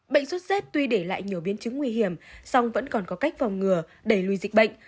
bệnh sốt rét tuy để lại nhiều biến chứng nguy hiểm song vẫn còn có cách phòng ngừa đẩy lùi dịch bệnh